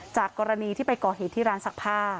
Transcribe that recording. จากกรณีที่ไปก่อเหตุที่ร้านซักผ้า